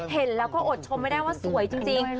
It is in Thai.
เห็นแล้วก็อดชมไม่ได้ว่าสวยจริง